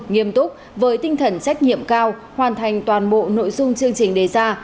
nghiêm túc với tinh thần trách nhiệm cao hoàn thành toàn bộ nội dung chương trình đề ra